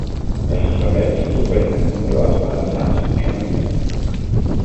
Els rebels superen en número als Malazans enormement.